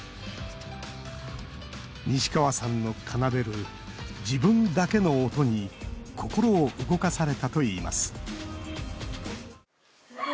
西川さんの奏でる自分だけの音に心を動かされたといいます。